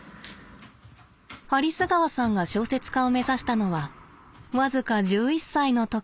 有栖川さんが小説家を目指したのは僅か１１歳の時。